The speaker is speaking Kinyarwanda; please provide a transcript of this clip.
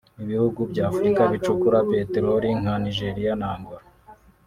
Ibihugu bya Afurika bicukura Peteroli nka Nigeria na Angola